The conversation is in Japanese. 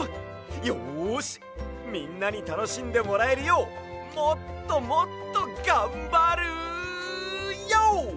よしみんなにたのしんでもらえるようもっともっとがんばるＹＯ！